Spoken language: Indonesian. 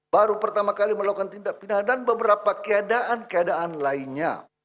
baru pertama kali melakukan tindak pidana dan beberapa keadaan keadaan lainnya